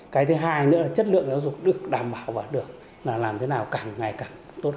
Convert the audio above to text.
cái thứ hai nữa là chất lượng giáo dục được đảm bảo và được là làm thế nào càng ngày càng tốt hơn